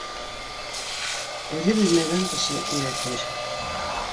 Үҙе белмәгән кеше өйрәтер.